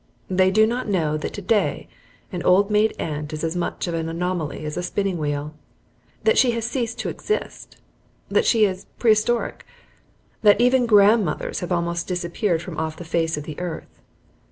They do not know that today an old maid aunt is as much of an anomaly as a spinning wheel, that she has ceased to exist, that she is prehistoric, that even grandmothers have almost disappeared from off the face of the earth.